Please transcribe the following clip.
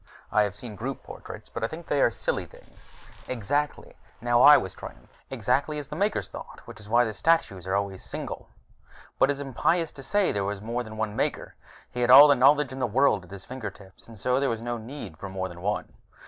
I have seen group portraits, but I think they are silly things." "Exactly." Now I was triumphant. "Exactly as the Makers thought, which is why the statues are always single " "But it is impious to say there was more than one Maker! He had all the knowledge in the world at his fingertips, and so there was no need for more than one.